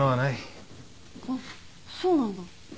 あっそうなんだ。